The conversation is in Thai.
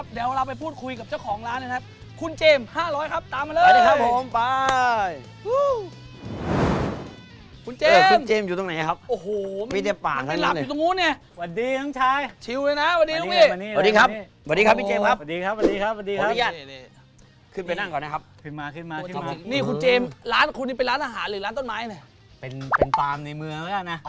แบบนี้น่ะของแสง